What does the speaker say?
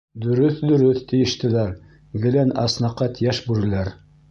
— Дөрөҫ, дөрөҫ, — тиештеләр гелән аснәкәт йәш бүреләр.